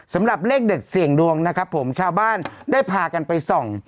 สำหรับเลขเด็ดเสี่ยงดวงนะครับผมชาวบ้านได้พากันไปส่อง